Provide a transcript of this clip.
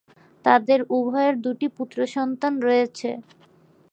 তাদের উভয়ের দুটি পুত্রসন্তান রয়েছে।